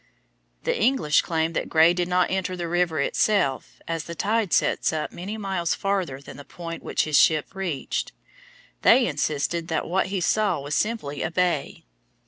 The English claimed that Gray did not enter the river itself, as the tide sets up many miles farther than the point which his ship reached. They insisted that what he saw was simply a bay.